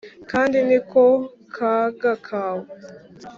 kandi ni ko kaga kawe”